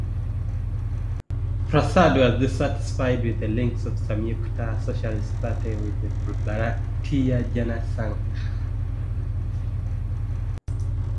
Prasad was dissatisfied with the links of Samyukta Socialist Party with Bharatiya Jana Sangh.